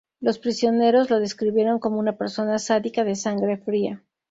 Los prisioneros lo describieron como una persona sádica de sangre fría.